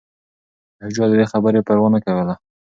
شاه شجاع د دې خبرې پروا نه کوله.